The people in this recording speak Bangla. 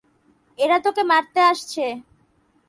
এরা তোকে মারতে আসছে।